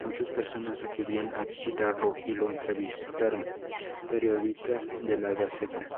Muchas personas acudían a visitarlo y lo entrevistaron periodistas de La Gaceta.